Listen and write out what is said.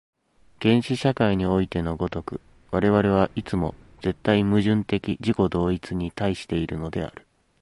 原始社会においての如く、我々はいつも絶対矛盾的自己同一に対しているのである。